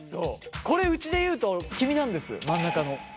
これうちでいうと君なんです真ん中の。